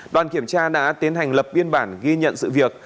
đoàn kiểm tra đã tiến hành lập biên bản ghi nhận sự việc